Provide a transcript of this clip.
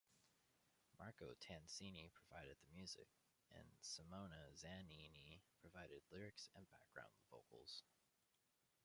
Marco Tansini provided the music, and Simona Zanini provided lyrics and background vocals.